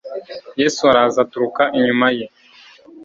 yesu araza aturuka inyuma ye